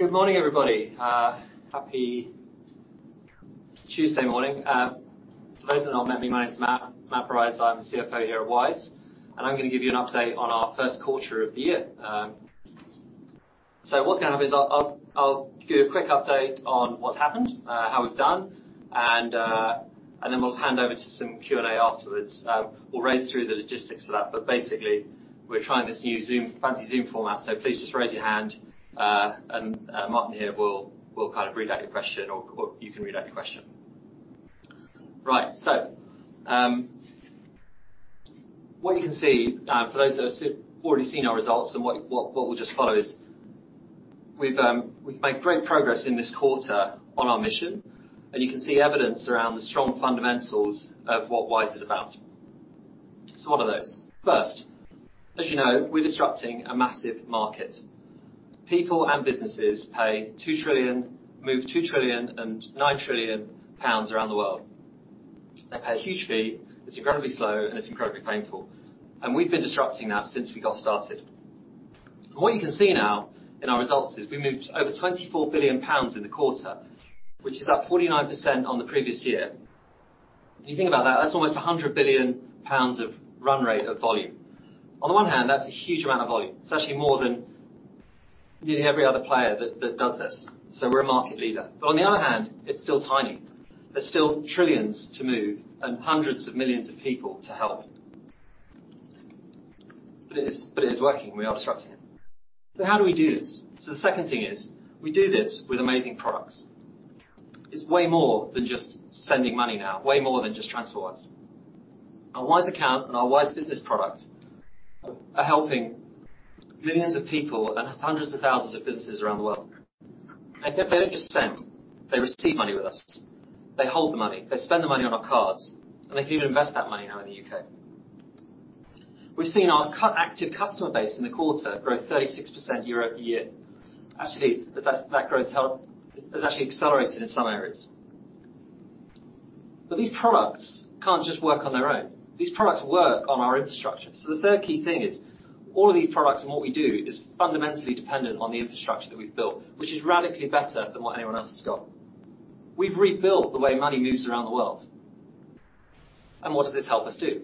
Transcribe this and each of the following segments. Good morning, everybody. Happy Tuesday morning. For those that don't know me, my name's Matt Briers. I'm the CFO here at Wise, and I'm going to give you an update on our Q1 of the year. What's going to happen is I'll give you a quick update on what's happened, how we've done, and then we'll hand over to some Q&A afterwards. We'll race through the logistics for that, but basically, we're trying this new fancy Zoom format, so please just raise your hand, and Martin here will read out your question or you can read out your question. What you can see for those that have already seen our results and what will just follow is we've made great progress in this quarter on our mission, and you can see evidence around the strong fundamentals of what Wise is about. What are those? First, as you know, we're disrupting a massive market. People and businesses pay 2 trillion move 2 trillion and 9 trillion pounds around the world. They pay a huge fee, it's incredibly slow, and it's incredibly painful. We've been disrupting that since we got started. What you can see now in our results is we moved over 24 billion pounds in the quarter, which is up 49% on the previous year. If you think about that's almost 100 billion pounds of run rate of volume. On the one hand, that's a huge amount of volume. It's actually more than nearly every other player that does this. We're a market leader. On the other hand, it's still tiny. There's still trillions to move and hundreds of millions of people to help. It is working. We are disrupting it. How do we do this? The second thing is, we do this with amazing products. It's way more than just sending money now, way more than just TransferWise. Our Wise Account and our Wise Business product are helping millions of people and hundreds of thousands of businesses around the world. Yet they don't just spend, they receive money with us. They hold the money, they spend the money on our cards, and they can even invest that money now in the UK. We've seen our active customer base in the quarter grow 36% year-over-year. Actually, that growth has actually accelerated in some areas. These products can't just work on their own. These products work on our infrastructure. The third key thing is all of these products and what we do is fundamentally dependent on the infrastructure that we've built, which is radically better than what anyone else has got. We've rebuilt the way money moves around the world. What does this help us do?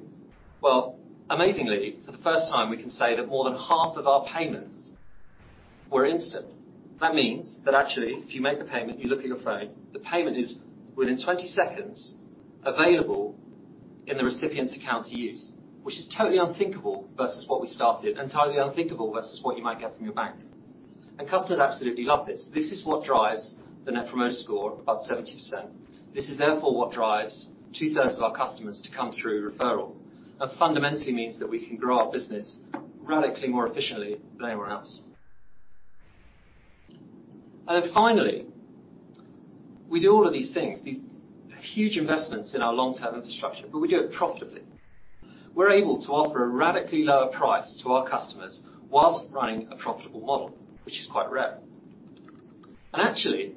Well, amazingly, for the first time, we can say that more than half of our payments were instant. That means that actually, if you make the payment, you look at your phone, the payment is within 20 seconds available in the recipient's account to use, which is totally unthinkable versus what we started, entirely unthinkable versus what you might get from your bank. Customers absolutely love this. This is what drives the Net Promoter Score above 70%. This is therefore what drives two-thirds of our customers to come through referral. That fundamentally means that we can grow our business radically more efficiently than anyone else. We do all of these things, these huge investments in our long-term infrastructure, but we do it profitably. We're able to offer a radically lower price to our customers while running a profitable model, which is quite rare. Actually,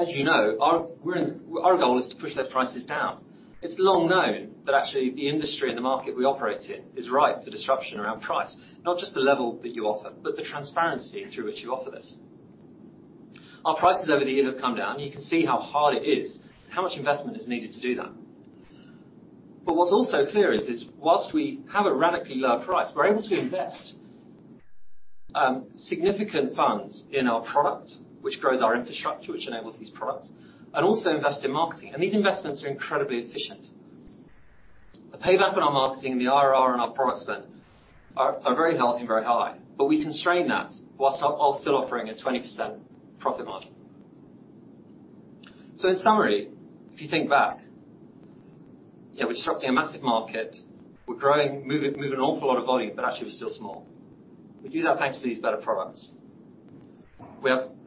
as you know, our goal is to push those prices down. It's long known that actually the industry and the market we operate in is ripe for disruption around price, not just the level that you offer, but the transparency through which you offer this. Our prices over the years have come down. You can see how hard it is, how much investment is needed to do that. What's also clear is while we have a radically lower price, we're able to invest significant funds in our product, which grows our infrastructure, which enables these products, and also invest in marketing. These investments are incredibly efficient. The payback on our marketing and the IRR on our product spend are very healthy and very high, but we constrain that while still offering a 20% profit margin. In summary, if you think back, yes, we're disrupting a massive market. We're moving an awful lot of volume, but actually we're still small. We do that thanks to these better products.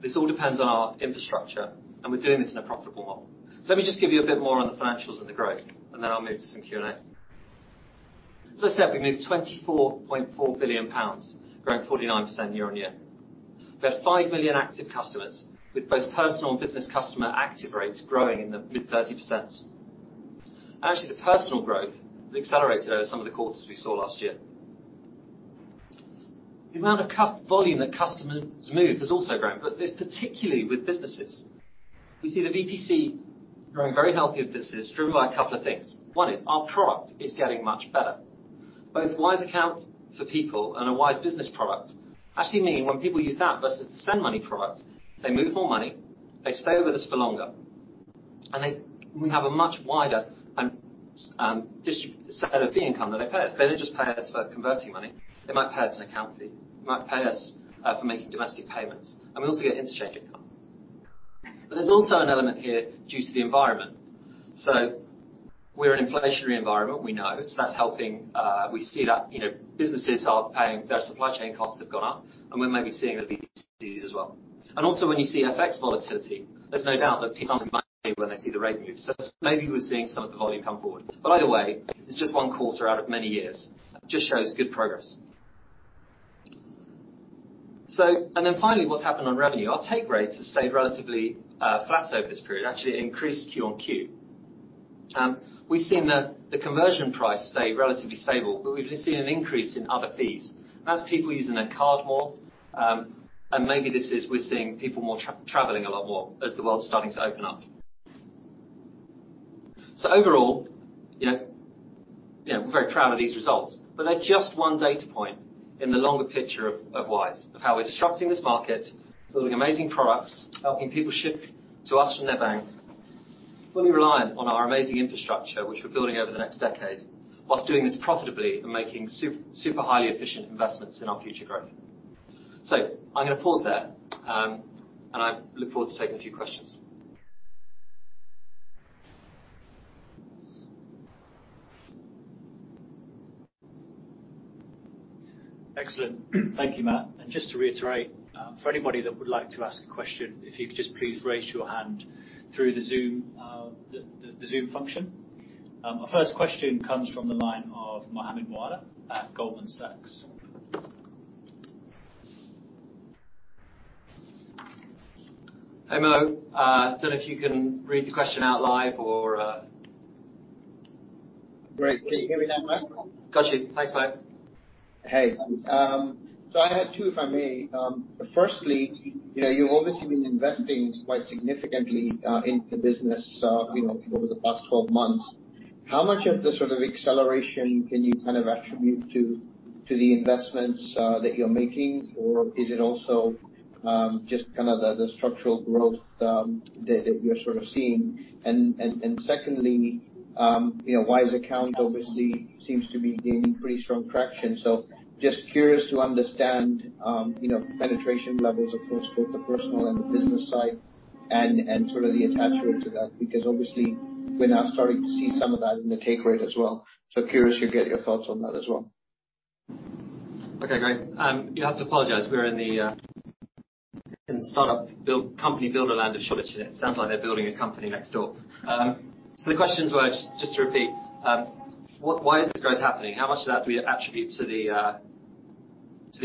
This all depends on our infrastructure, and we're doing this in a profitable model. Let me just give you a bit more on the financials and the growth, and then I'll move to some Q&A. I said we've moved 24.4 billion pounds, growing 49% year-on-year. We had 5 million active customers, with both personal and business customer active rates growing in the mid-30%. Actually, the personal growth has accelerated over some of the quarters we saw last year. The amount of volume that customers move has also grown, but this particularly with businesses. We see the VPC growing very healthy with this is driven by a couple of things. One is our product is getting much better. Both Wise Account for people and our Wise Business product actually mean when people use that versus the send money product, they move more money, they stay with us for longer, and we have a much wider set of fee income that they pay us. They don't just pay us for converting money. They might pay us an account fee. They might pay us for making domestic payments. We also get interchange income. There's also an element here due to the environment. We're in an inflationary environment, we know. That's helping, we see that businesses are paying. Their supply chain costs have gone up, and we're maybe seeing it at VPCs as well. Also, when you see FX volatility, there's no doubt that people want to move money when they see the rate move. Maybe we're seeing some of the volume come forward. Either way, it's just one quarter out of many years. Just shows good progress. Finally, what's happened on revenue? Our take rates have stayed relatively flat over this period. Actually increased Q-on-Q. We've seen the conversion price stay relatively stable, but we've just seen an increase in other fees. As people using their card more, and maybe this is where we're seeing people more traveling a lot more as the world's starting to open up. Overall, we're very proud of these results, but they're just one data point in the longer picture of Wise, of how we're disrupting this market, building amazing products, helping people shift to us from their bank, fully reliant on our amazing infrastructure which we're building over the next decade, while doing this profitably and making super highly efficient investments in our future growth. I'm going to pause there, and I look forward to taking a few questions. Excellent. Thank you, Matt. Just to reiterate, for anybody that would like to ask a question, if you could just please raise your hand through the Zoom function. Our first question comes from the line of Mohammed Moawalla at Goldman Sachs. Hey, Mo. Don't know if you can read the question out loud or Great. Can you hear me now, Matt? Got you. Thanks, Mo. Hey. I had two, if I may. Firstly, you've obviously been investing quite significantly in the business over the past 12 months. How much of the sort of acceleration can you attribute to the investments that you're making? Or is it also just the structural growth that you're seeing? Secondly, Wise Account obviously seems to be gaining pretty strong traction. Just curious to understand penetration levels across both the personal and the business side and sort of the attach rate to that, because obviously we're now starting to see some of that in the take rate as well. Curious to get your thoughts on that as well. Okay, great. You'll have to apologize. We're in the startup builder land of Shoreditch, and it sounds like they're building a company next door. The questions were, just to repeat, why is this growth happening? How much of that do we attribute to the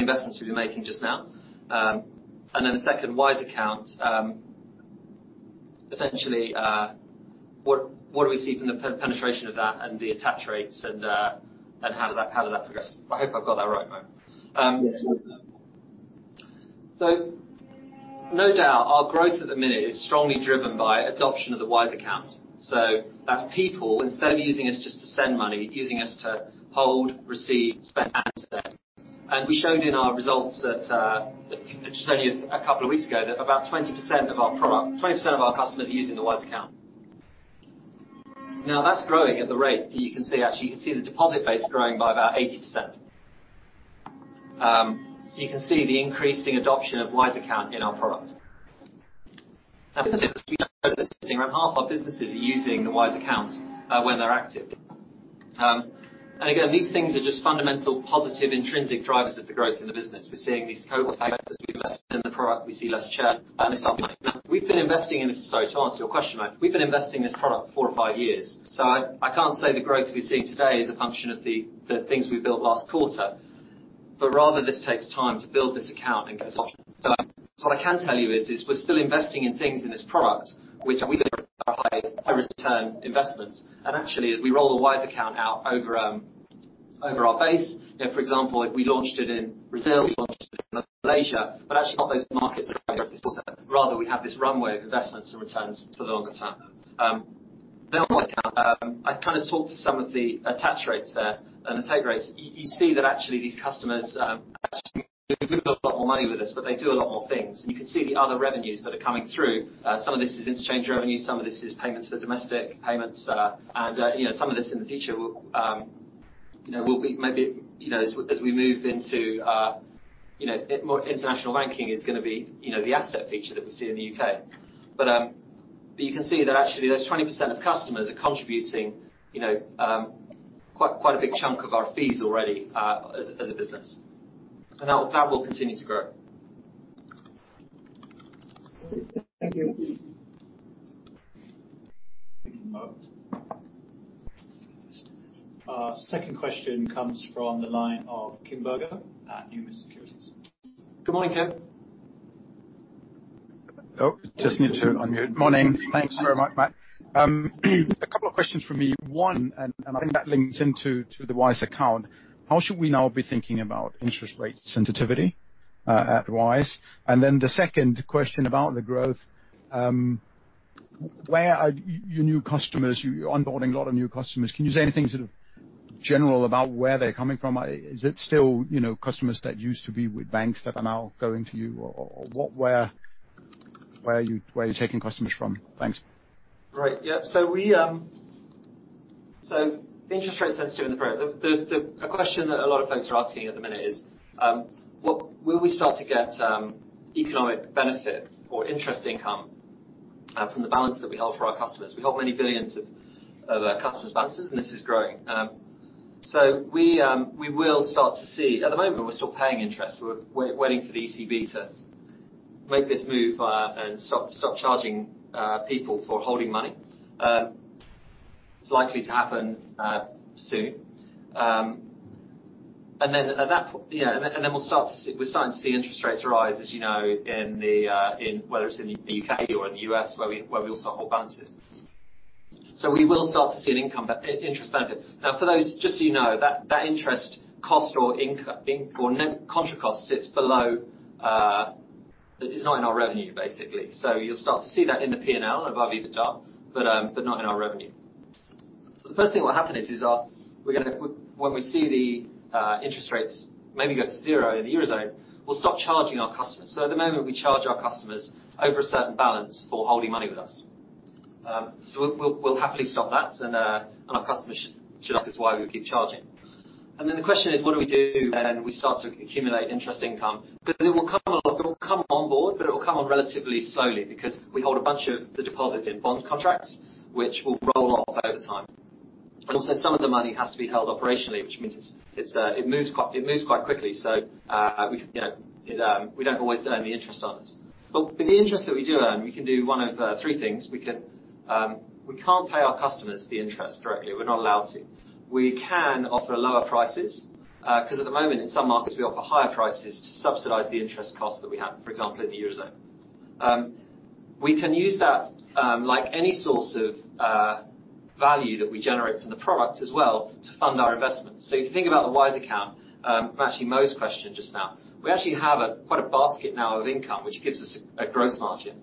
investments we've been making just now? And then the second Wise account, essentially, what do we see from the penetration of that and the attach rates? How does that progress? I hope I've got that right, Mo. Yes. No doubt our growth at the minute is strongly driven by adoption of the Wise Account. As people, instead of using us just to send money, using us to hold, receive, spend. We showed in our results that, just only a couple of weeks ago, that about 20% of our customers are using the Wise Account. Now, that's growing at the rate, you can see. Actually, you can see the deposit base growing by about 80%. You can see the increasing adoption of Wise Account in our product. Now, businesses around half our businesses are using the Wise Accounts, when they're active. Again, these things are just fundamental, positive, intrinsic drivers of the growth in the business. We're seeing these cohorts in the product. We see less churn. We've been investing in... To answer your question, Mo, we've been investing in this product four or five years, I can't say the growth we're seeing today is a function of the things we built last quarter, but rather this takes time to build this account and get adoption. What I can tell you is we're still investing in things in this product which we look at high return investments. Actually, as we roll the Wise Account out over our base, for example, we launched it in Brazil, we launched it in Malaysia, but actually not those markets. Rather, we have this runway of investments and returns for the longer term. I talked to some of the attach rates there and the take rates. You see that actually these customers a lot more money with us, but they do a lot more things. You can see the other revenues that are coming through. Some of this is interchange revenue, some of this is payments for domestic payments. Some of this in the future will be maybe as we move into more international banking is going to be the asset feature that we see in the UK. But you can see that actually those 20% of customers are contributing quite a big chunk of our fees already, as a business. That will continue to grow. Thank you. Thank you, Mo. Second question comes from the line of Kim Bergo at Numis Securities. Good morning, Kim. Morning. Thanks very much, Matt. A couple of questions from me. One, and I think that links into the Wise Account, how should we now be thinking about interest rate sensitivity at Wise? The second question about the growth, where are your new customers? You're onboarding a lot of new customers. Can you say anything sort of general about where they're coming from? Is it still customers that used to be with banks that are now going to you or where are you taking customers from? Thanks. Right. Interest rate sensitivity. A question that a lot of folks are asking at the minute is will we start to get economic benefit or interest income from the balance that we hold for our customers? We hold many billions of customers' balances, and this is growing. We will start to see. At the moment, we're still paying interest. We're waiting for the ECB to make this move and stop charging people for holding money. It's likely to happen soon. Then we're starting to see interest rates rise, as you know, whether it's in the U.K. or in the U.S., where we also hold balances. We will start to see an income interest benefit. Now, for those just so that interest cost or net interest cost sits below. It is not in our revenue, basically. You'll start to see that in the P&L above EBITDA, but not in our revenue. The first thing that will happen is when we see the interest rates maybe go to zero in the Eurozone, we'll stop charging our customers. At the moment, we charge our customers over a certain balance for holding money with us. We'll happily stop that. Our customers should ask us why we keep charging. Then the question is what do we do when we start to accumulate interest income? Because it will come on board, but it will come on relatively slowly because we hold a bunch of the deposits in bond contracts which will roll off over time. Also some of the money has to be held operationally, which means it moves quite quickly. We don't always earn the interest on it. With the interest that we do earn, we can do one of three things. We can't pay our customers the interest directly. We're not allowed to. We can offer lower prices, because at the moment, in some markets, we offer higher prices to subsidize the interest costs that we have, for example, in the Eurozone. We can use that, like any source of value that we generate from the product as well to fund our investments. If you think about the Wise Account, actually Mo's question just now, we actually have quite a basket now of income, which gives us a growth margin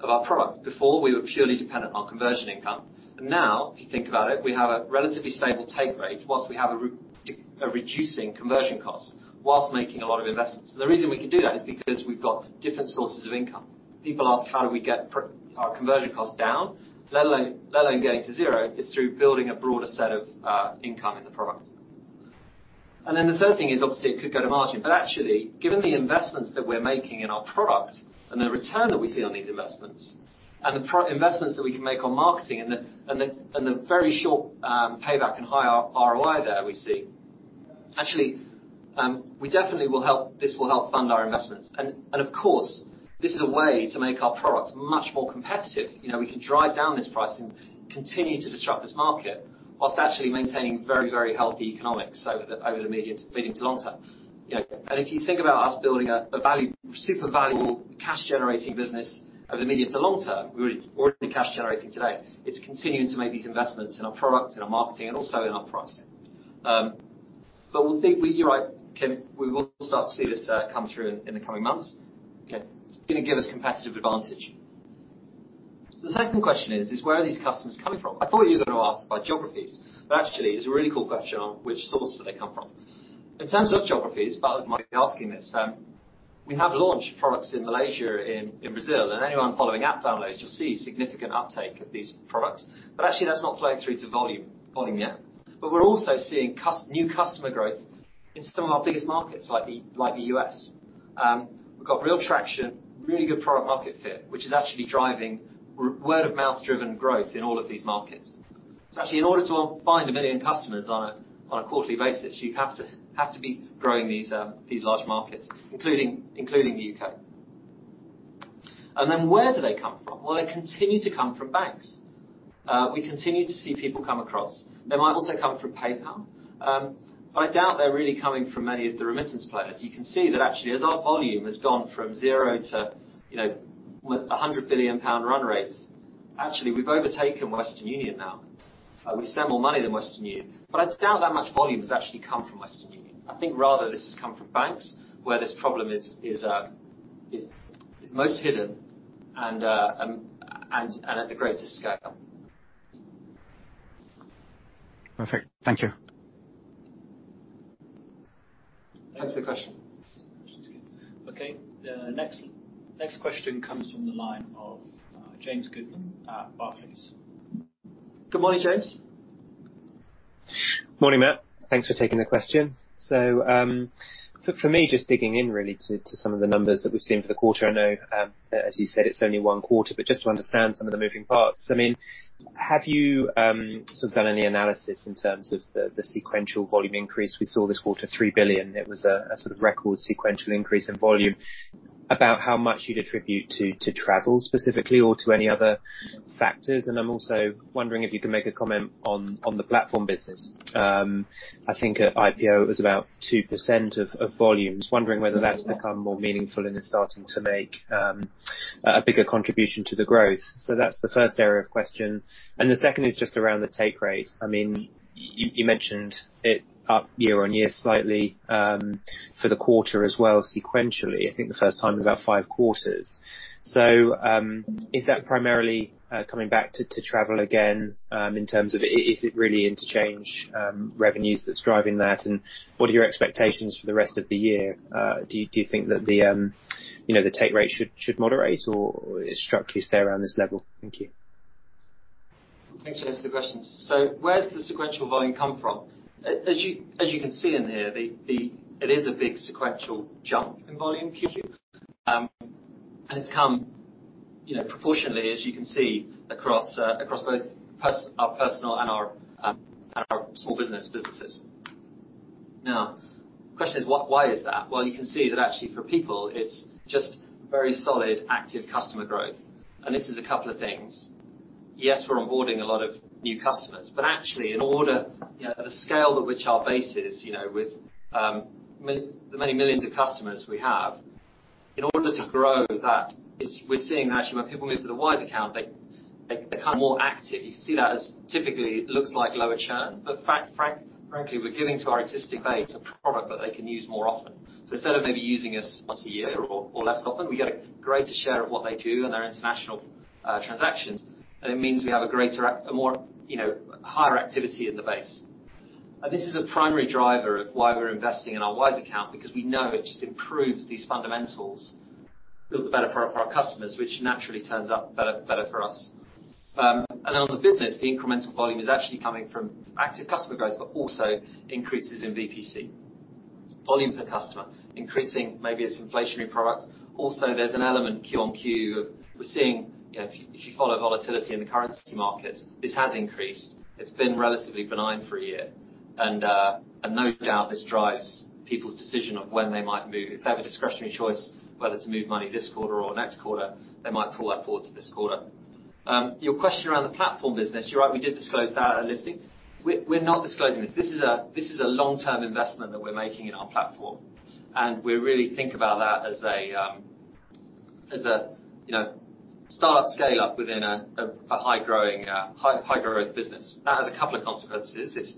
of our product. Before, we were purely dependent on conversion income. Now, if you think about it, we have a relatively stable take rate whilst we have a reducing conversion cost whilst making a lot of investments. The reason we can do that is because we've got different sources of income. People ask how we get our conversion costs down, let alone getting to zero, is through building a broader set of income in the product. Then the third thing is obviously it could go to margin. Actually, given the investments that we're making in our product and the return that we see on these investments and the investments that we can make on marketing and the very short payback and high ROI there we see, actually, definitely will help this will help fund our investments. Of course, this is a way to make our product much more competitive. We can drive down this price and continue to disrupt this market while actually maintaining very, very healthy economics over the medium to long term. If you think about us building a super valuable cash-generating business over the medium to long-term, we're already cash generating today. It's continuing to make these investments in our product, in our marketing, and also in our pricing. We'll see. You're right, Kim. We will start to see this come through in the coming months. Okay. It's going to give us competitive advantage. The second question is where are these customers coming from? I thought you were going to ask by geographies, but actually it's a really cool question on which source do they come from. In terms of geographies, part of Kim asking this, we have launched products in Malaysia, in Brazil. Anyone following app downloads, you'll see significant uptake of these products. Actually that's not flowing through to volume yet. We're also seeing new customer growth in some of our biggest markets, like the U.S. We've got real traction, really good product market fit, which is actually driving word-of-mouth driven growth in all of these markets. Actually, in order to find 1 million customers on a quarterly basis, you have to be growing these large markets, including the UK. Then where do they come from? Well, they continue to come from banks. We continue to see people come across. They might also come from PayPal. But I doubt they're really coming from any of the remittance players. You can see that actually, as our volume has gone from zero to, you know, 100 billion pound run rates, actually, we've overtaken Western Union now. We send more money than Western Union. But I doubt that much volume has actually come from Western Union. I think rather this has come from banks, where this problem is most hidden and at the greatest scale. Perfect. Thank you. Thanks for the question. Question's good. Okay, the next question comes from the line of James Goodman at Barclays. Good morning, James. Morning, Matt. Thanks for taking the question. For me, just digging in really to some of the numbers that we've seen for the quarter. I know, as you said, it's only one quarter, but just to understand some of the moving parts. I mean, have you done any analysis in terms of the sequential volume increase we saw this quarter, 3 billion? It was a record sequential increase in volume. About how much you'd attribute to travel specifically or to any other factors. I'm also wondering if you can make a comment on the platform business. I think at IPO, it was about 2% of volumes. Wondering whether that's become more meaningful and is starting to make a bigger contribution to the growth. That's the first area of question. The second is just around the take rate. You mentioned it up year-on-year slightly, for the quarter as well sequentially. I think the first time in about five quarters. Is that primarily coming back to travel again, in terms of is it really interchange revenues that's driving that? What are your expectations for the rest of the year? Do you think that the take rate should moderate or it structurally stay around this level? Thank you. Thanks, James, for the questions. Where's the sequential volume come from? As you can see in here, it is a big sequential jump in volume Q2. It's come proportionately, as you can see, across both our personal and our small business businesses. Now, the question is why is that? Well, you can see that actually for people, it's just very solid active customer growth. This is a couple of things. Yes, we're onboarding a lot of new customers, but actually, the scale at which our base is with the many millions of customers we have, in order to grow that is we're seeing actually when people move to the Wise Account, they become more active. You see that typically looks like lower churn, but frankly, we're giving to our existing base a product that they can use more often. Instead of maybe using us once a year or less often, we get a greater share of what they do in their international transactions, and it means we have a greater, more higher activity in the base. This is a primary driver of why we're investing in our Wise Account, because we know it just improves these fundamentals. Builds better for our customers, which naturally turns out better for us. On the business, the incremental volume is actually coming from active customer growth, but also increases in VPC. Volume per customer, increasing maybe as inflationary products. Also, there's an element Q-on-Q of we're seeing, if you follow volatility in the currency markets, this has increased. It's been relatively benign for a year. No doubt this drives people's decision of when they might move. If they have a discretionary choice whether to move money this quarter or next quarter, they might pull that forward to this quarter. Your question around the platform business, you're right, we did disclose that at listing. We're not disclosing this. This is a long-term investment that we're making in our platform. We really think about that as a start scale up within a high growth business. That has a couple of consequences. It's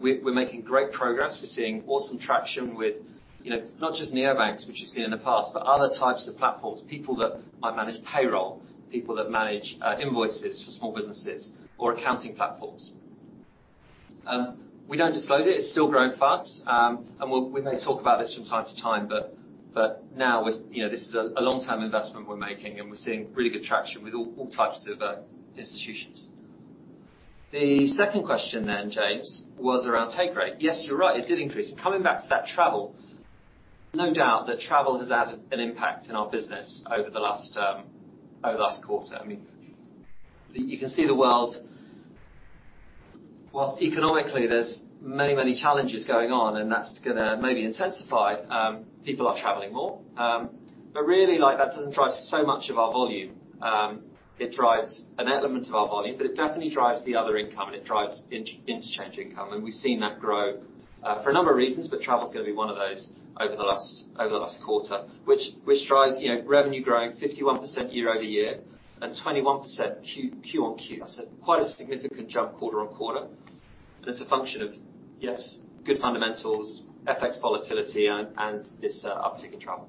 we're making great progress. We're seeing awesome traction with not just neobanks, which you've seen in the past, but other types of platforms, people that might manage payroll, people that manage invoices for small businesses or accounting platforms. We don't disclose it. It's still growing fast. We may talk about this from time to time, but now this is a long-term investment we're making, and we're seeing really good traction with all types of institutions. The second question then, James, was around take rate. Yes, you're right, it did increase. Coming back to that travel, no doubt that travel has had an impact in our business over the last quarter. You can see the world. While economically there's many challenges going on, and that's going to maybe intensify. People are traveling more. Really, that doesn't drive so much of our volume. It drives an element of our volume, but it definitely drives the other income, and it drives interchange income. We've seen that grow for a number of reasons, but travel is going to be one of those over the last quarter, which drives revenue growing 51% year-over-year and 21% Q-on-Q. Quite a significant jump quarter-on-quarter. It's a function of good fundamentals, FX volatility and this uptick in travel.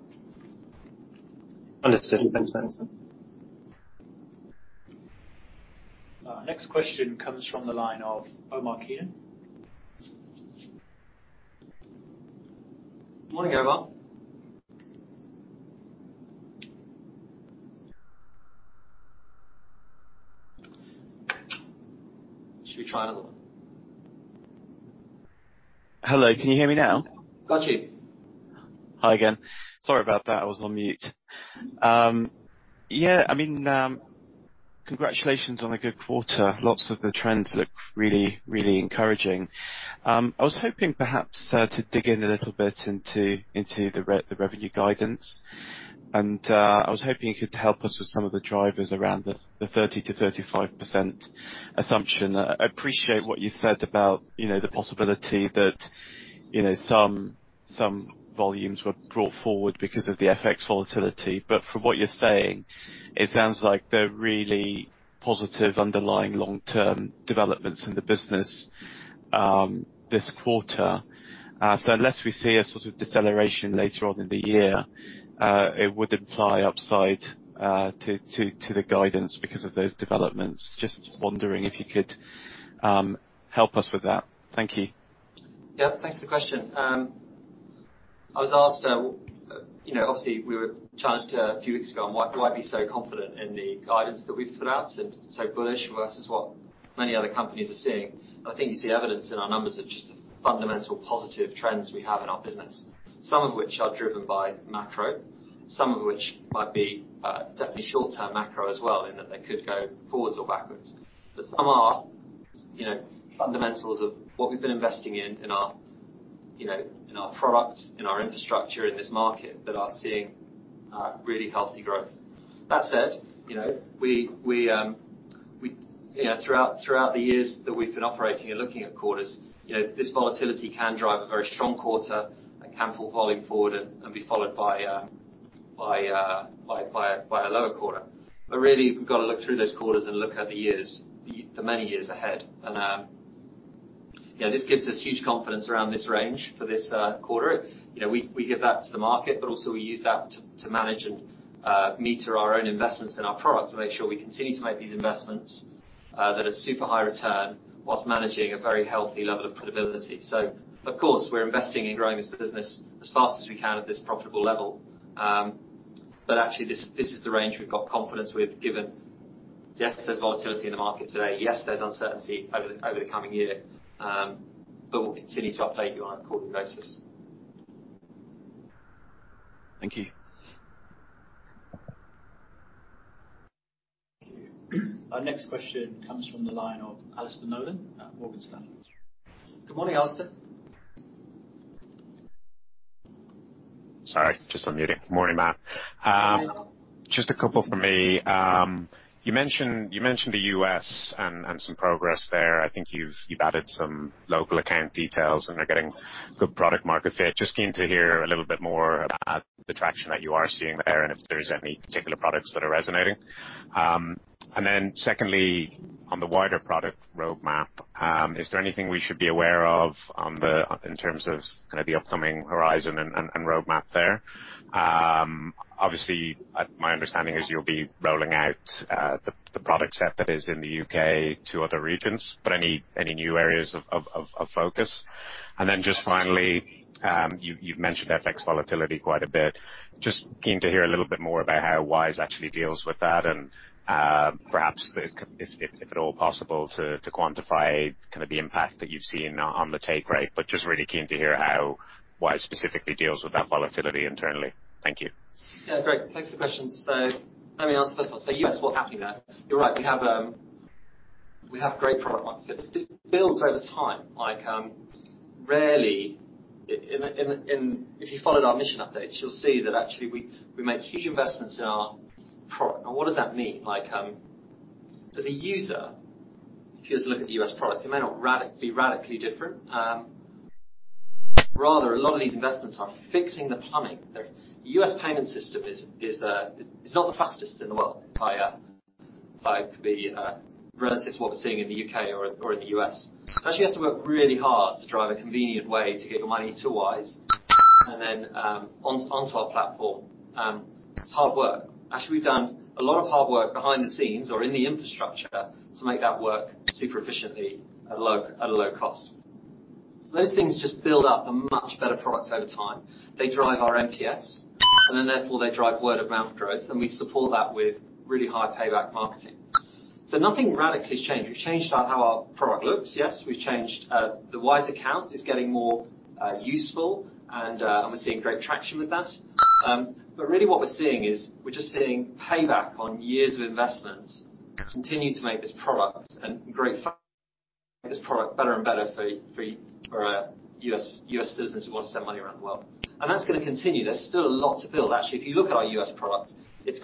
Understood. Thanks, Matthew. Next question comes from the line of Omar Keenan. Morning, Omar. Should we try another one? Hello. Can you hear me now? Got you. Hi again. Sorry about that, I was on mute. Congratulations on a good quarter. Lots of the trends look really encouraging. I was hoping perhaps to dig in a little bit into the revenue guidance, and I was hoping you could help us with some of the drivers around the 30%-35% assumption. I appreciate what you said about the possibility that some volumes were brought forward because of the FX volatility, but from what you're saying, it sounds like they're really positive underlying long-term developments in the business this quarter. Unless we see a deceleration later on in the year, it would imply upside to the guidance because of those developments. Just wondering if you could help us with that. Thank you. Yes. Thanks for the question. I was asked, obviously, we were challenged a few weeks ago on why be so confident in the guidance that we've put out and so bullish versus what many other companies are seeing. I think you see evidence in our numbers of just the fundamental positive trends we have in our business. Some of which are driven by macro, some of which might be definitely short-term macro as well, in that they could go forwards or backwards. Some are fundamentals of what we've been investing in our products, in our infrastructure, in this market that are seeing really healthy growth. That said, throughout the years that we've been operating and looking at quarters, this volatility can drive a very strong quarter and can pull volume forward and be followed by a lower quarter. Really, we've got to look through those quarters and look at the years, the many years ahead. This gives us huge confidence around this range for this quarter. We give that to the market, but also we use that to manage and meter our own investments in our product to make sure we continue to make these investments that are super high return while managing a very healthy level of credibility. Of course, we're investing in growing this business as fast as we can at this profitable level. Actually this is the range we've got confidence with, given, yes, there's volatility in the market today. Yes, there's uncertainty over the coming year. We'll continue to update you on a quarterly basis. Thank you. Our next question comes from the line of Alastair Nolan at Morgan Stanley. Good morning, Alastair. Sorry, just unmuting. Morning, Matt. Hello. Just a couple from me. You mentioned the US and some progress there. I think you've added some local account details, and they're getting good product market fit. Just keen to hear a little bit more about the traction that you are seeing there and if there's any particular products that are resonating. Secondly, on the wider product roadmap, is there anything we should be aware of in terms of the upcoming horizon and roadmap there? Obviously, my understanding is you'll be rolling out the product set that is in the UK to other regions, but any new areas of focus? Just finally, you've mentioned FX volatility quite a bit. Just keen to hear a little bit more about how Wise actually deals with that and, perhaps if at all possible to quantify the impact that you've seen on the take rate, but just really keen to hear how Wise specifically deals with that volatility internally. Thank you. Yes. Great. Thanks for the questions. Let me answer the first one. U.S., what's happening there? You're right, we have great product market fit. This builds over time. Rarely. If you followed our mission updates, you'll see that actually we make huge investments in our product. Now what does that mean? As a user, if you just look at the U.S. products, it may not be radically different. Rather a lot of these investments are fixing the plumbing. The U.S. payment system is not the fastest in the world by a long shot relative to what we're seeing in the U.K. or in the U.S. Actually you have to work really hard to drive a convenient way to get your money to Wise and then onto our platform. It's hard work. Actually we've done a lot of hard work behind the scenes or in the infrastructure to make that work super efficiently at a low cost. Those things just build up a much better product over time. They drive our NPS, and then therefore they drive word-of-mouth growth, and we support that with really high payback marketing. Nothing radically has changed. We've changed how our product looks, yes. We've changed the Wise account is getting more useful and we're seeing great traction with that. Really what we're seeing is we're just seeing payback on years of investments continue to make this product better and better for U.S. citizens who want to send money around the world. That's going to continue. There's still a lot to build. Actually, if you look at our U.S. product, it's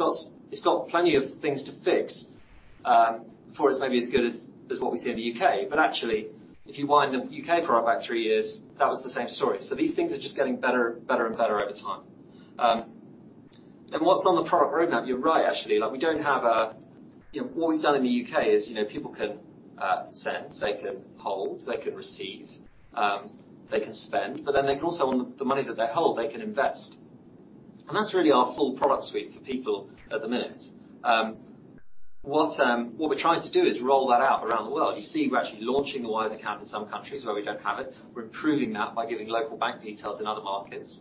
got plenty of things to fix before it's maybe as good as what we see in the U.K. Actually, if you wind the U.K. product back three years, that was the same story. These things are just getting better and better over time. What's on the product roadmap? You're right, actually. What we've done in the UK is, people can send, they can hold, they can receive, they can spend, but then they can also own the money that they hold, they can invest. That's really our full product suite for people at the minute. What we're trying to do is roll that out around the world. You see, we're actually launching a Wise account in some countries where we don't have it. We're improving that by giving local bank details in other markets.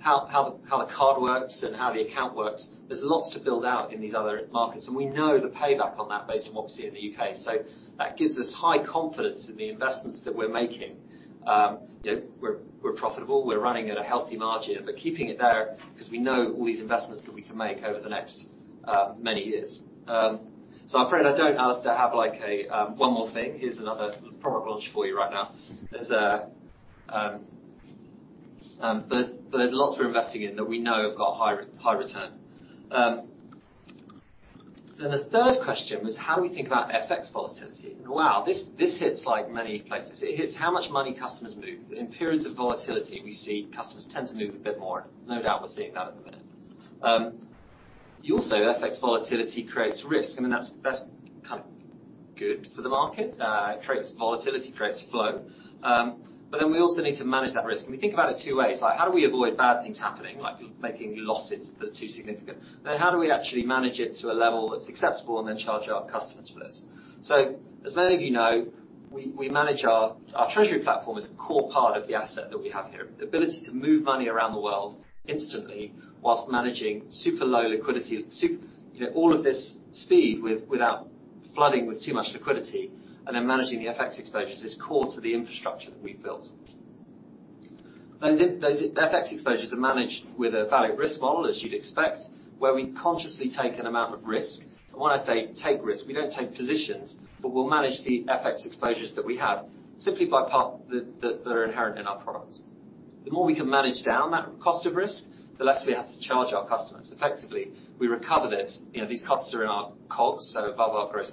How the card works and how the account works, there's lots to build out in these other markets, and we know the payback on that based on what we see in the UK. That gives us high confidence in the investments that we're making. We're profitable. We're running at a healthy margin, but keeping it there because we know all these investments that we can make over the next many years. I'm afraid I don't, Alastair, have a one more thing. Here's another product launch for you right now. There's lots we're investing in that we know have got high return. The third question was how we think about FX volatility. Wow, this hits many places. It hits how much money customers move. In periods of volatility, we see customers tend to move a bit more. No doubt we're seeing that at the minute. You also say FX volatility creates risk, and that's kind of good for the market. It creates volatility, creates flow. We also need to manage that risk. We think about it two ways. Like, how do we avoid bad things happening, like making losses that are too significant? How do we actually manage it to a level that's acceptable and then charge our customers for this? As many of we manage our treasury platform is a core part of the asset that we have here. The ability to move money around the world instantly while managing super low liquidity, all of this speed without flooding with too much liquidity, and then managing the FX exposures is core to the infrastructure that we've built. Those FX exposures are managed with a valid risk model, as you'd expect, where we consciously take an amount of risk. When I say take risk, we don't take positions, but we'll manage the FX exposures that we have simply by the fact that they are inherent in our products. The more we can manage down that cost of risk, the less we have to charge our customers. Effectively, we recover this. These costs are in our COGS, so above our gross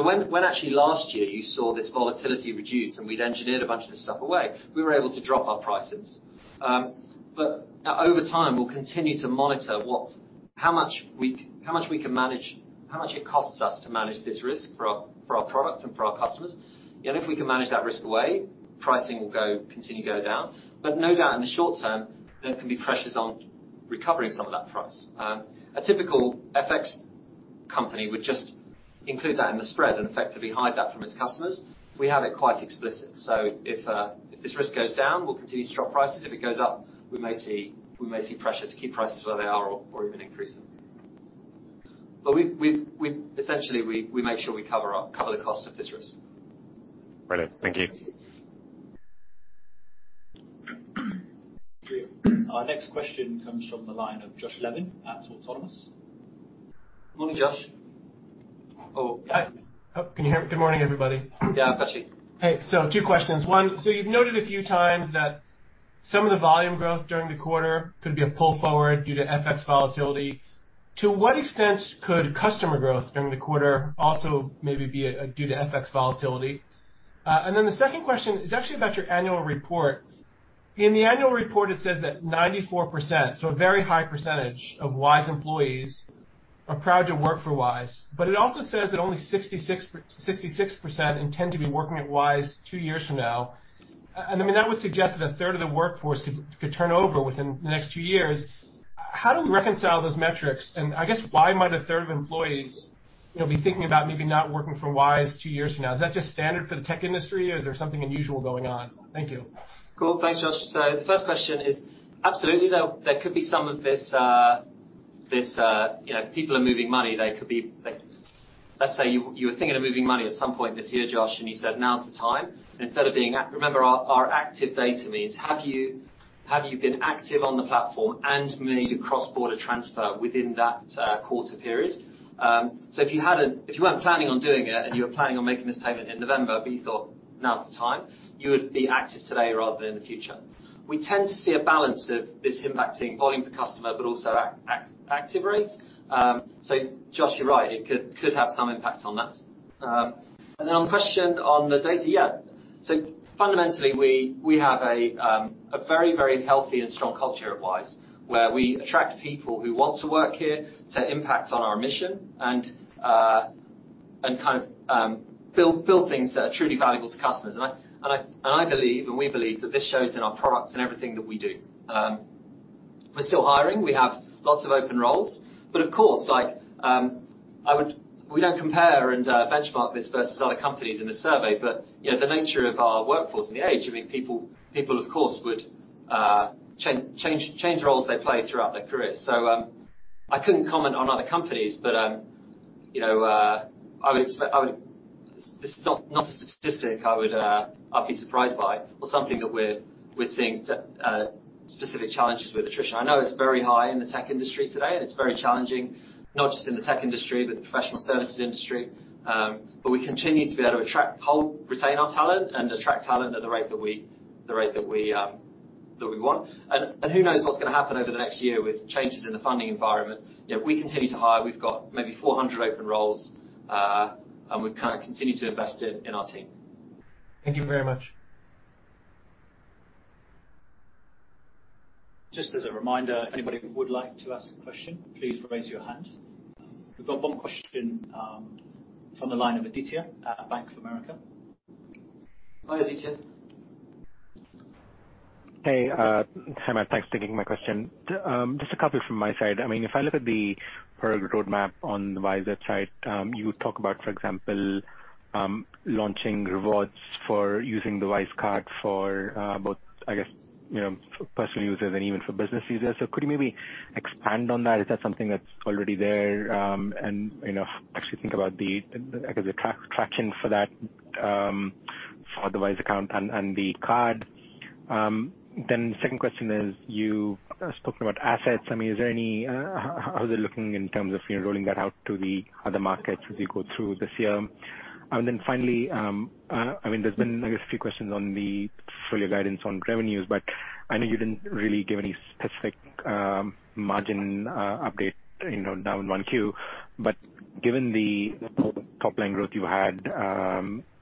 margin. When actually last year you saw this volatility reduce and we'd engineered a bunch of this stuff away, we were able to drop our prices. But over time, we'll continue to monitor what's how much we can manage, how much it costs us to manage this risk for our product and for our customers. If we can manage that risk away, pricing will go continue to go down. No doubt in the short term, there can be pressures on recovering some of that price. A typical FX company would just include that in the spread and effectively hide that from its customers. We have it quite explicit. If this risk goes down, we'll continue to drop prices. If it goes up, we may see pressures to keep prices where they are or even increase them. Essentially we make sure we cover the cost of this risk. Brilliant. Thank you. Our next question comes from the line of Josh Levin at Autonomous. Morning, Josh. Can you hear me? Good morning, everybody. Yes, got you. Hey. Two questions. One, you've noted a few times that some of the volume growth during the quarter could be a pull forward due to FX volatility. To what extent could customer growth during the quarter also maybe be due to FX volatility? Then the second question is actually about your annual report. In the annual report, it says that 94%, so a very high percentage of Wise employees are proud to work for Wise, but it also says that only 66% intend to be working at Wise two years from now. I mean, that would suggest that a third of the workforce could turn over within the next two years. How do we reconcile those metrics? I guess why might a third of employees be thinking about maybe not working for Wise two years from now? Is that just standard for the tech industry, or is there something unusual going on? Thank you. Cool. Thanks, Josh. The first question is absolutely there could be some of this... People are moving money. Let's say you were thinking of moving money at some point this year, Josh, and you said, "Now is the time." Remember our active data means have you been active on the platform and made a cross-border transfer within that quarter period. If you weren't planning on doing it and you were planning on making this payment in November, but you thought, "Now is the time," you would be active today rather than in the future. We tend to see a balance of this impacting volume per customer, but also active rates. Josh, you're right, it could have some impact on that. On the question on the data, fundamentally, we have a very healthy and strong culture at Wise, where we attract people who want to work here to impact on our mission and build things that are truly valuable to customers. I believe, and we believe that this shows in our products and everything that we do. We're still hiring. We have lots of open roles. Of course, we don't compare and benchmark this versus other companies in the survey, but the nature of our workforce and the age, I mean, people of course would change roles they play throughout their career. I couldn't comment on other companies, but this is not a statistic I would be surprised by or something that we're seeing specific challenges with attrition. I know it's very high in the tech industry today, and it's very challenging, not just in the tech industry, but the professional services industry. But we continue to be able to attract, pull, retain our talent and attract talent at the rate that we want. Who knows what's going to happen over the next year with changes in the funding environment. We continue to hire. We've got maybe 400 open roles, and we continue to invest in our team. Thank you very much. Just as a reminder, if anybody would like to ask a question, please raise your hand. We've got one question, from the line of Aditya at Bank of America. Hi, Aditya. Hey, Matt. Thanks for taking my question. Just a couple from my side. I mean, if I look at the product roadmap on the Wise website, you talk about, for example, launching rewards for using the Wise card for, both, I guess, for personal users and even for business users. Could you maybe expand on that? Is that something that's already there, and actually think about the traction for the Wise account and the card. The second question is, you spoke about assets. How is it looking in terms of rolling that out to the other markets as you go through this year? Finally, I mean, there's been a few questions on the full-year guidance on revenues, but I know you didn't really give any specific margin update now in Q1. Given the top-line growth you had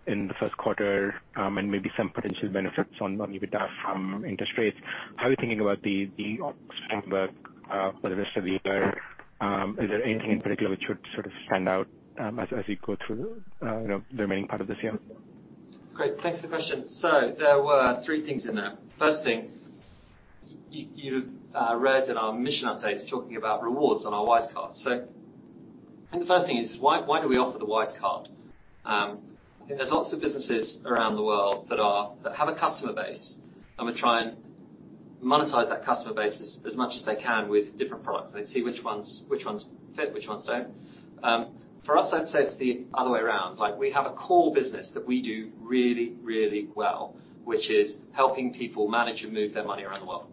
in the first quarter and maybe some potential benefits on EBITDA from interest rates, how are you thinking about the opex framework for the rest of the year? Is there anything in particular which would sort of stand out as we go through the remaining part of this year? Great. Thanks for the question. There were three things in there. First thing, you read in our mission updates talking about rewards on our Wise card. I think the first thing is why do we offer the Wise card? There's lots of businesses around the world that have a customer base and would try and monetize that customer base as much as they can with different products. They see which ones fit, which ones don't. For us, I'd say it's the other way around. Like, we have a core business that we do really, really well, which is helping people manage and move their money around the world.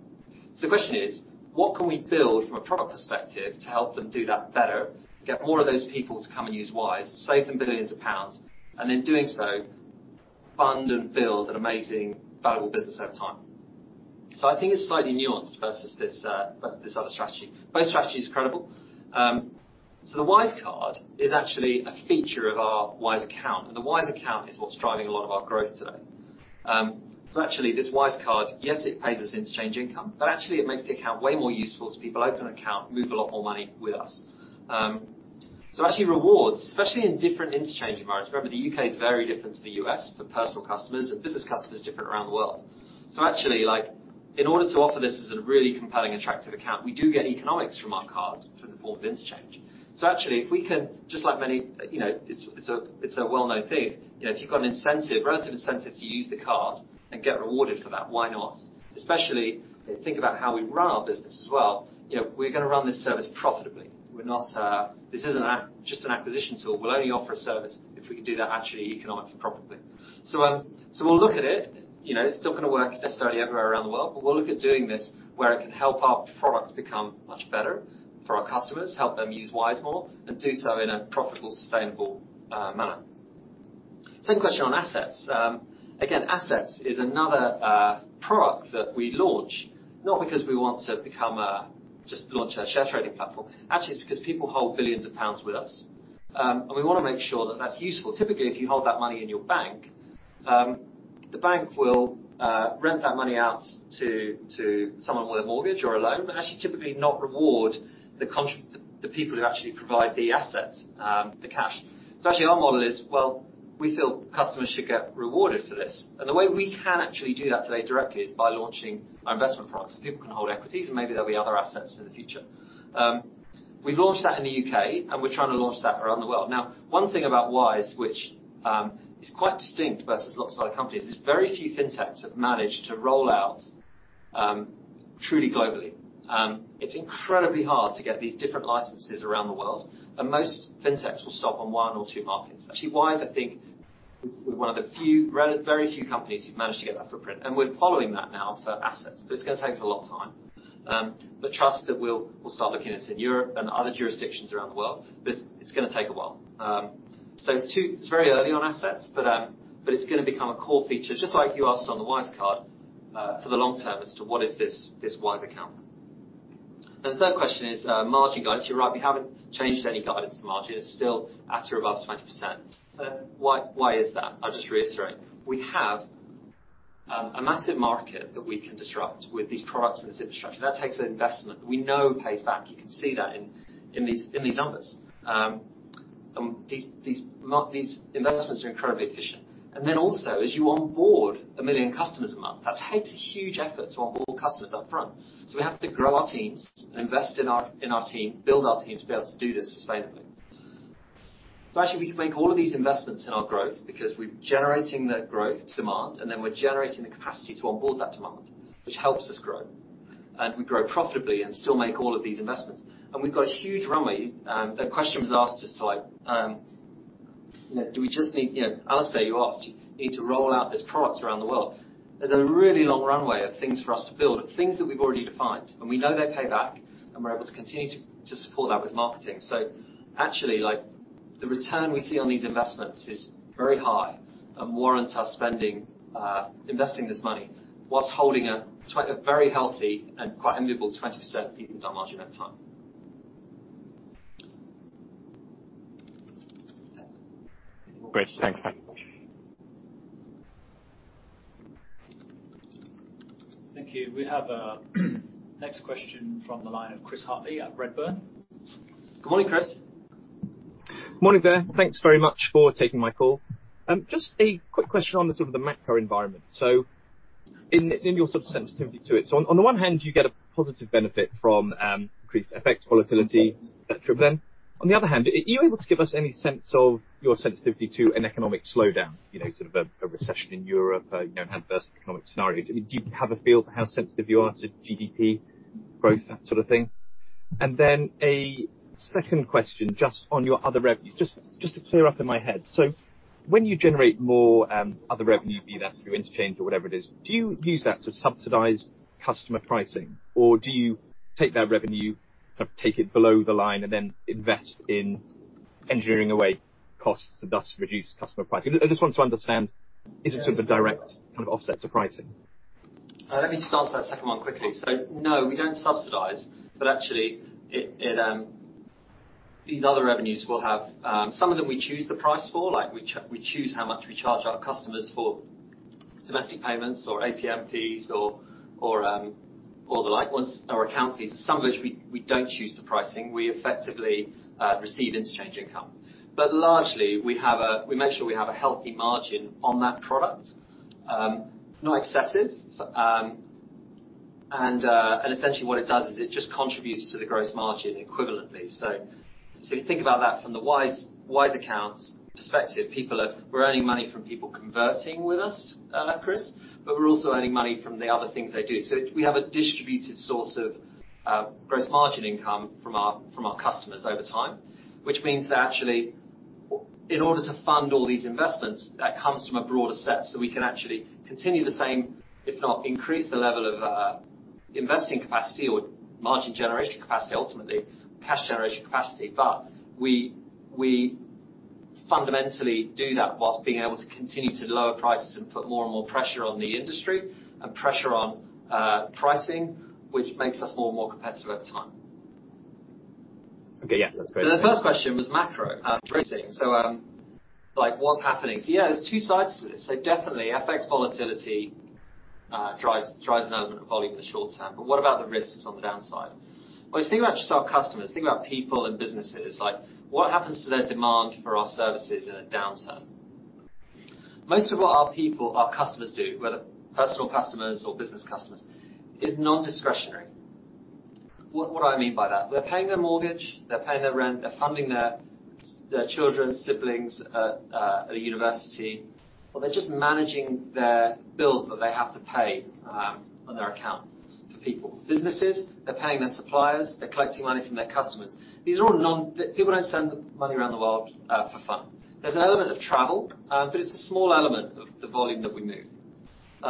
The question is: What can we build from a product perspective to help them do that better, get more of those people to come and use Wise, save them billions of pounds, and in doing so, fund and build an amazing, valuable business over time? I think it's slightly nuanced versus this, versus this other strategy. Both strategies are credible. The Wise card is actually a feature of our Wise Account, and the Wise Account is what's driving a lot of our growth today. Actually this Wise card, yes, it pays us interchange income, but actually it makes the account way more useful as people open an account, move a lot more money with us. Actually rewards, especially in different interchange environments. Remember, the U.K. is very different to the U.S. for personal customers and business customers different around the world. Actually, in order to offer this as a really compelling, attractive account, we do get economics from our cards through the form of interchange. Actually, if we can, just like many, it's a well-known thing. If you've got an incentive, relative incentive to use the card and get rewarded for that, why not? Especially if you think about how we run our business as well, we're going to run this service profitably. We're not. This isn't just an acquisition tool. We'll only offer a service if we can do that actually economically, profitably. We'll look at it. It's not going to work necessarily everywhere around the world, but we'll look at doing this where it can help our product become much better for our customers, help them use Wise more, and do so in a profitable, sustainable, manner. Same question on assets. Again, assets is another product that we launch, not because we want to become just launch a share trading platform. Actually, it's because people hold billions of GBP with us. We want to make sure that that's useful. Typically, if you hold that money in your bank, the bank will rent that money out to someone with a mortgage or a loan, but actually typically not reward the people who actually provide the assets, the cash. Actually, our model is, well, we feel customers should get rewarded for this. The way we can actually do that today directly is by launching our investment products. People can hold equities, and maybe there'll be other assets in the future. We've launched that in the UK, and we're trying to launch that around the world. Now, one thing about Wise, which is quite distinct versus lots of other companies, is very few fintechs have managed to roll out truly globally. It's incredibly hard to get these different licenses around the world, and most fintechs will stop on one or two markets. Actually, Wise, I think we're one of the very few companies who've managed to get that footprint, and we're following that now for assets. It's going to take us a lot of time. Trust that we'll start looking at this in Europe and other jurisdictions around the world. It's going to take a while. It's very early on assets, but it's going to become a core feature, just like you asked on the Wise card, for the long term as to what is this Wise account. The third question is margin guidance. You're right, we haven't changed any guidance to margin. It's still at or above 20%. Why is that? I'll just reiterate. We have a massive market that we can disrupt with these products and this infrastructure. That takes investment that we know pays back. You can see that in these numbers. These investments are incredibly efficient. Then also, as you onboard 1 million customers a month, that takes a huge effort to onboard customers up front. We have to grow our teams, invest in our team, build our team to be able to do this sustainably. Actually, we can make all of these investments in our growth because we're generating the growth demand, and then we're generating the capacity to onboard that demand, which helps us grow. We grow profitably and still make all of these investments. We've got a huge runway. The question was asked just like do we just need, Alastair, you asked, do you need to roll out this product around the world? There's a really long runway of things for us to build, of things that we've already defined, and we know they pay back, and we're able to continue to support that with marketing. Actually, the return we see on these investments is very high and warrants us spending, investing this money whilst holding a very healthy and quite enviable 20% EBITDA margin at the time. Great. Thanks. Thank you. We have a next question from the line of Christopher Harwood at Redburn. Good morning, Chris. Morning there. Thanks very much for taking my call. Just a quick question on the sort of the macro environment. In your sensitivity to it. On the one hand, you get a positive benefit from increased FX volatility, et cetera. On the other hand, are you able to give us any sense of your sensitivity to an economic slowdown? Sort of a recession in Europe adverse economic scenarios. Do you have a feel for how sensitive you are to GDP growth, that thing? A second question just on your other revenues. Just to clear up in my head. When you generate more other revenue, be that through interchange or whatever it is, do you use that to subsidize customer pricing? Do you take that revenue, kind of take it below the line, and then invest in engineering away costs and thus reduce customer pricing? I just want to understand, is it a direct offset to pricing? Let me start with that second one quickly. No, we don't subsidize, but actually it, these other revenues will have, some of them we choose the price for, like we choose how much we charge our customers for domestic payments or ATM fees or the like, our account fees. Some of which we don't choose the pricing. We effectively receive interchange income. Largely, we make sure we have a healthy margin on that product. Not excessive. Essentially what it does is it just contributes to the gross margin equivalently. If you think about that from the Wise accounts perspective, people have. We're earning money from people converting with us, Chris, but we're also earning money from the other things they do. We have a distributed source of gross margin income from our customers over time, which means that actually, in order to fund all these investments, that comes from a broader set. We can actually continue the same, if not increase the level of investing capacity or margin generation capacity, ultimately cash generation capacity. We fundamentally do that while being able to continue to lower prices and put more and more pressure on the industry and pressure on pricing, which makes us more and more competitive at the time. Okay. Yes. That's great. The first question was macro pricing. Like what's happening? Yes, there's two sides to this. Definitely FX volatility drives an element of volume in the short term. What about the risks on the downside? When you think about just our customers, think about people and businesses, like what happens to their demand for our services in a downturn? Most of what our people, our customers do, whether personal customers or business customers, is non-discretionary. What I mean by that? They're paying their mortgage, they're paying their rent, they're funding their children, siblings at a university, or they're just managing their bills that they have to pay on their account for people. Businesses, they're paying their suppliers, they're collecting money from their customers. These are all non-discretionary. People don't send money around the world for fun. There's an element of travel, but it's a small element of the volume that we move. So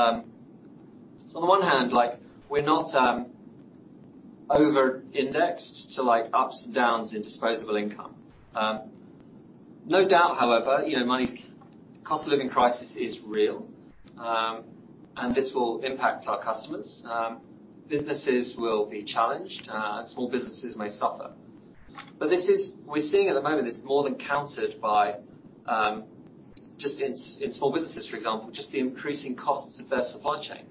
on the one hand, like, we're not over indexed to like ups and downs in disposable income. No doubt, however, the cost of living crisis is real, and this will impact our customers. Businesses will be challenged, small businesses may suffer. This is what we're seeing at the moment, it's more than countered by, just in small businesses, for example, just the increasing costs of their supply chain.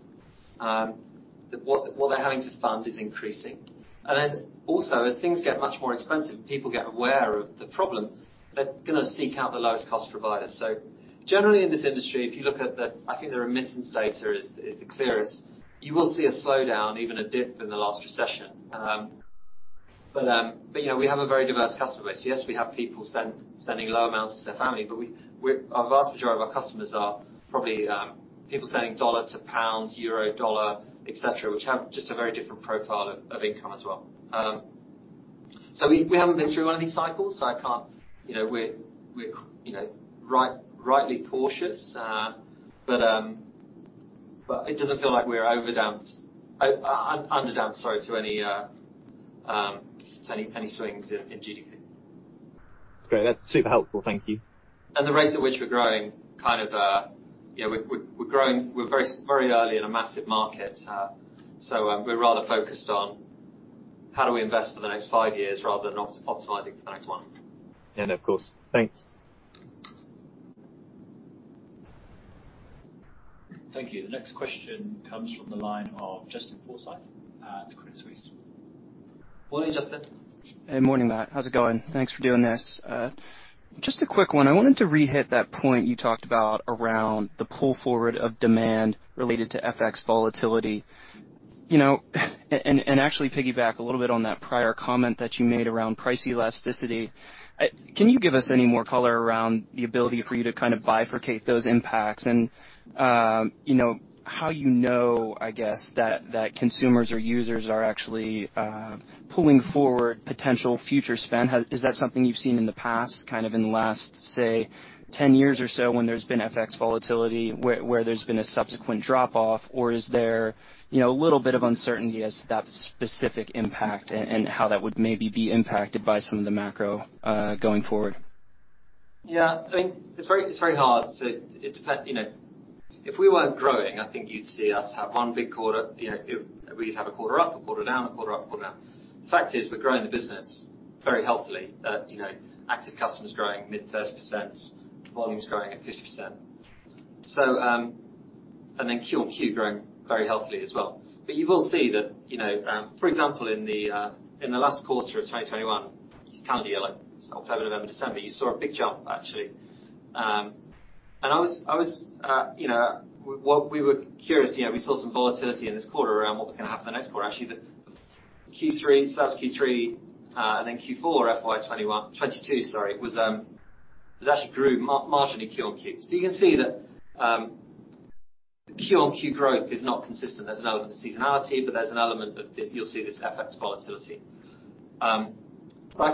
What they're having to fund is increasing. Then also, as things get much more expensive, people get aware of the problem, they're going to seek out the lowest cost provider. Generally, in this industry, if you look at the, I think the remittance data is the clearest. You will see a slowdown, even a dip in the last recession. We have a very diverse customer base. Yes, we have people sending low amounts to their family, but a vast majority of our customers are probably people sending dollar to pounds, euro dollar, et cetera, which have just a very different profile of income as well. We haven't been through one of these cycles, so I can't. We're rightly cautious. It doesn't feel like we're under-damped, sorry, to any swings in GDP. That's great. That's super helpful. Thank you. The rates at which we're growing kind of we're growing. We're very, very early in a massive market. We're rather focused on how do we invest for the next five years rather than optimizing for the next one. Yes. No, of course. Thanks. Thank you. The next question comes from the line of Justin Forsythe at Credit Suisse. Morning, Justin. Hey, morning, Matt. How's it going? Thanks for doing this. Just a quick one. I wanted to re-hit that point you talked about around the pull forward of demand related to FX volatility, and actually piggyback a little bit on that prior comment that you made around price elasticity. Can you give us any more color around the ability for you to bifurcate those impacts? How do you know, I guess, that consumers or users are actually pulling forward potential future spend. Is that something you've seen in the past, kind of in the last, say 10 years or so when there's been FX volatility, where there's been a subsequent drop off? Is there a little bit of uncertainty as to that specific impact and how that would maybe be impacted by some of the macro going forward? Yes. I mean, it's very hard to. If we weren't growing, I think you'd see us have one big quarter. We'd have a quarter up, a quarter down, a quarter up, a quarter down. The fact is we're growing the business very healthily. Active customers growing mid-30s%, volumes growing at 50%. Q-on-Q growing very healthily as well. You will see that, for example, in the last quarter of 2021, calendar year, like October, November, December, you saw a big jump, actually. We were curious, we saw some volatility in this quarter around what was going to happen in the next quarter. Actually, the Q3, so that's Q3, and then Q4 FY 2022 was actually grew marginally Q-on-Q. You can see that the Q-on-Q growth is not consistent. There's an element of seasonality, but there's an element of, as you'll see, this FX volatility. I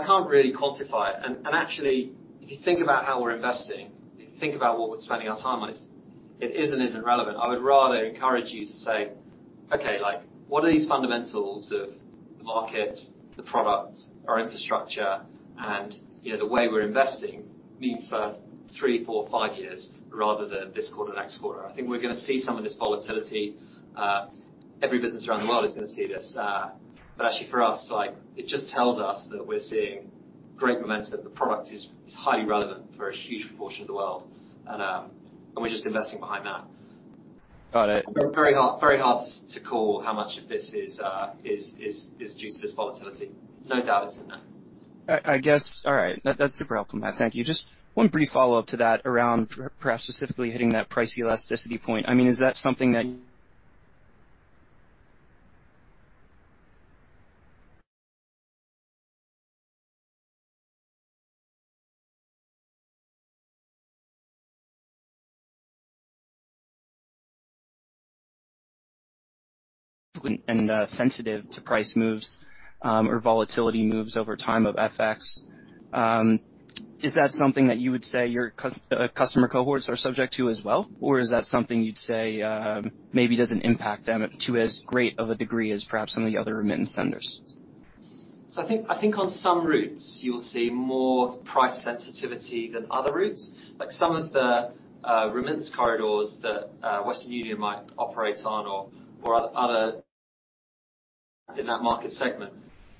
can't really quantify it. Actually, if you think about how we're investing, if you think about what we're spending our time on, it is and isn't relevant. I would rather encourage you to say, okay, like, what are these fundamentals of the market, the product, our infrastructure, and the way we're investing mean for three, four, five years, rather than this quarter, next quarter? I think we're going to see some of this volatility. Every business around the world is going to see this. Actually for us, like, it just tells us that we're seeing great momentum. The product is highly relevant for a huge proportion of the world. We're just investing behind that. Got it. Very hard to call how much of this is due to this volatility. No doubt it's in there. All right. That's super helpful, Matt. Thank you. Just one brief follow-up to that around perhaps specifically hitting that price elasticity point. I mean, is that something that sensitive to price moves or volatility moves over time of FX. Is that something that you would say your customer cohorts are subject to as well? Is that something you'd say maybe doesn't impact them to as great of a degree as perhaps some of the other remittance senders? I think on some routes you'll see more price sensitivity than other routes. Like some of the remittance corridors that Western Union might operate on or other in that market segment.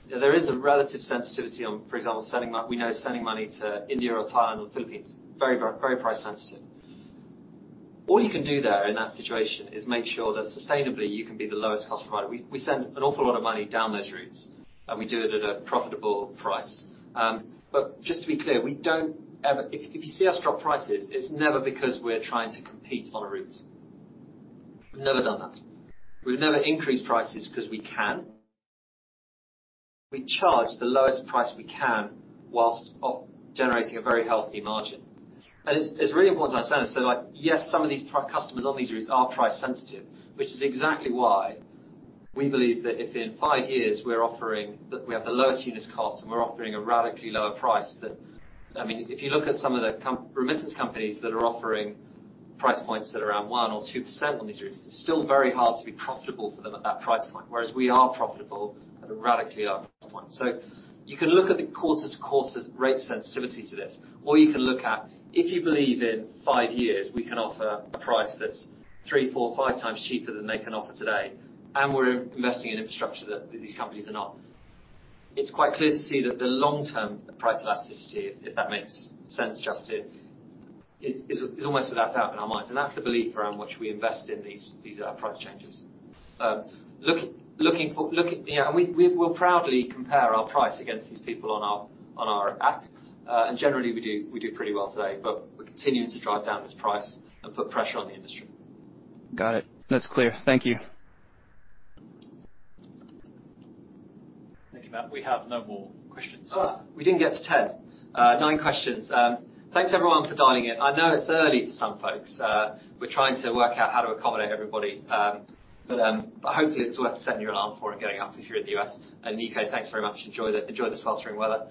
There is a relative sensitivity on, for example, we know sending money to India or Thailand or Philippines, very price sensitive. All you can do there in that situation is make sure that sustainably you can be the lowest cost provider. We send an awful lot of money down those routes, and we do it at a profitable price. Just to be clear, if you see us drop prices, it's never because we're trying to compete on a route. We've never done that. We've never increased prices because we can. We charge the lowest price we can while generating a very healthy margin. It's really important to understand. Like, yes, some of these customers on these routes are price sensitive, which is exactly why we believe that if in five years we have the lowest unit cost and we're offering a radically lower price than. I mean, if you look at some of the remittance companies that are offering price points that are around 1% or 2% on these rates. It's still very hard to be profitable for them at that price point, whereas we are profitable at a radically lower price point. You can look at the quarter-to-quarter rate sensitivity to this, or you can look at if you believe in five years, we can offer a price that's three, four, five times cheaper than they can offer today, and we're investing in infrastructure that these companies are not. It's quite clear to see that the long-term price elasticity, if that makes sense, Justin, is almost without doubt in our minds. That's the belief around which we invest in these price changes. Look, you know, we will proudly compare our price against these people on our app. Generally, we do pretty well today, but we're continuing to drive down this price and put pressure on the industry. Got it. That's clear. Thank you. Thank you, Matt. We have no more questions. Oh, we didn't get to 10. Nine questions. Thanks everyone for dialing in. I know it's early to some folks. We're trying to work out how to accommodate everybody. But hopefully it's worth setting your alarm for and getting up if you're in the US and UK. Thanks very much. Enjoy the spring weather.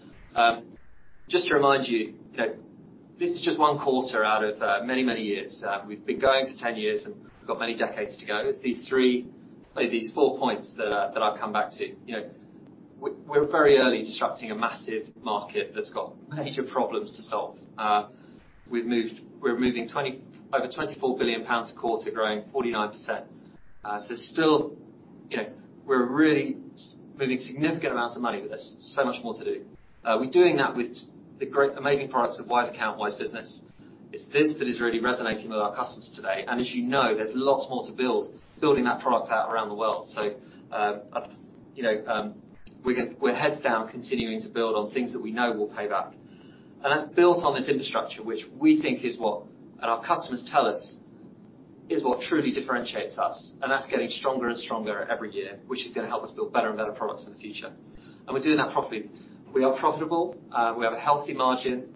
Just to remind you know, this is just one quarter out of many years. We've been going for 10 years, and we've got many decades to go. These four points that I'll come back to. You know, we're very early disrupting a massive market that's got major problems to solve. We're moving over 24 billion pounds a quarter, growing 49%. There's still, you know, we're really moving significant amounts of money, but there's so much more to do. We're doing that with the great, amazing products of Wise Account, Wise Business. It's this that is really resonating with our customers today. As you know, there's lots more to build, building that product out around the world. We're heads down continuing to build on things that we know will pay back. That's built on this infrastructure, which we think is what, and our customers tell us, is what truly differentiates us, and that's getting stronger and stronger every year, which is going to help us build better and better products in the future. We're doing that properly. We are profitable. We have a healthy margin,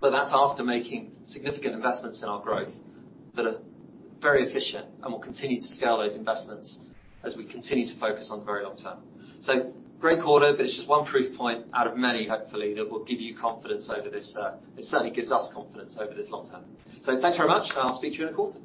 but that's after making significant investments in our growth that are very efficient, and we'll continue to scale those investments as we continue to focus on the very long term. Great quarter, but it's just one proof point out of many, hopefully, that will give you confidence over this. It certainly gives us confidence over this long term. Thanks very much, and I'll speak to you in a quarter.